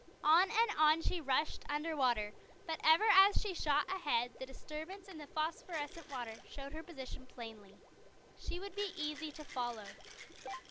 On and on she rushed under water, but ever as she shot ahead the disturbance in the phosphorescent water showed her position plainly. She would be easy to follow.